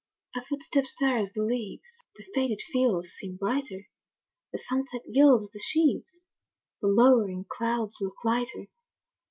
A footstep stirs the leaves! The faded fields seem brighter, The sunset gilds the sheaves, The low'ring clouds look lighter.